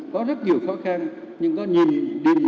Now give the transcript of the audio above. có rất nhiều khó khăn nhưng có nhiều điều gì